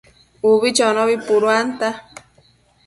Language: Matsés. Ubi chonobi puduanta